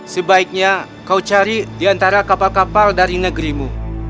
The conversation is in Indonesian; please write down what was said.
sebaiknya kau cari di antara kapal kapal dari negerimu